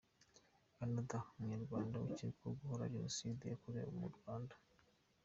Canada:Umunyarwanda ukekwaho gukora Jenoside yoherejwe mu Rwanda.